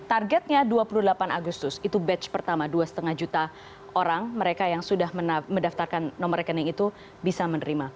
targetnya dua puluh delapan agustus itu batch pertama dua lima juta orang mereka yang sudah mendaftarkan nomor rekening itu bisa menerima